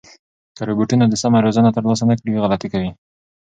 که روبوټونه د سمه روزنه ترلاسه نه کړي، غلطۍ کوي.